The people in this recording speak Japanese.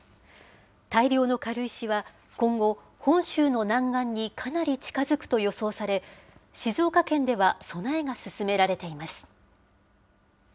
大量の軽石は今後、本州の南岸にかなり近づくと予想され、静岡県では備えが進められています。